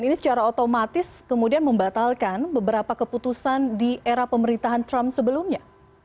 ini secara otomatis kemudian membatalkan beberapa keputusan di era pemerintahan trump sebelumnya